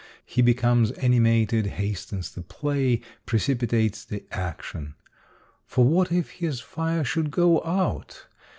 He becomes animated, has tens the play, precipitates the action. For what if his fire should go out